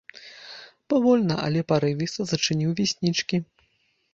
Павольна, але парывіста зачыніў веснічкі.